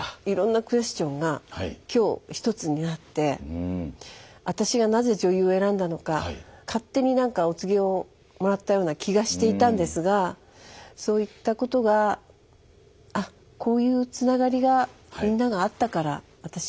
いろんなクエスチョンが今日一つになって私がなぜ女優を選んだのか勝手になんかお告げをもらったような気がしていたんですがそういったことがあっこういうつながりがみんながあったから私